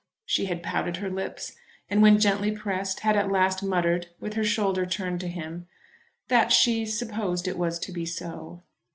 She had pouted her lips, and when gently pressed had at last muttered, with her shoulder turned to him, that she supposed it was to be so.